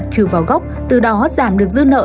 trừ vào gốc từ đó giảm được dư nợ